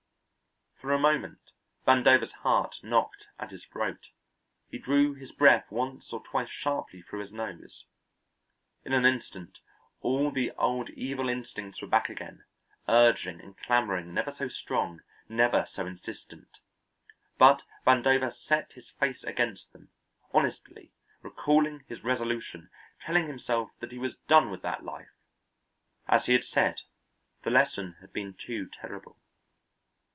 For a moment Vandover's heart knocked at his throat; he drew his breath once or twice sharply through his nose. In an instant all the old evil instincts were back again, urging and clamouring never so strong, never so insistent. But Vandover set his face against them, honestly, recalling his resolution, telling himself that he was done with that life. As he had said, the lesson had been too terrible.